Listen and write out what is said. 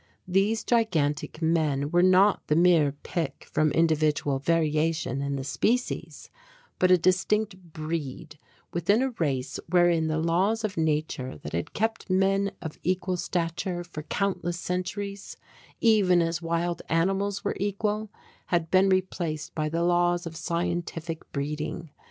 These gigantic men were not the mere pick from individual variation in the species, but a distinct breed within a race wherein the laws of nature, that had kept men of equal stature for countless centuries, even as wild animals were equal, had been replaced by the laws of scientific breeding.